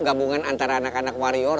gabungan antara anak anak warrior